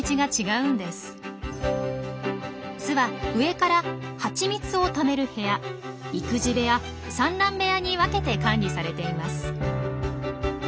巣は上からハチミツをためる部屋育児部屋産卵部屋に分けて管理されています。